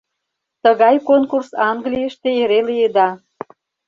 Тыгай конкурс Английыште эре лиеда.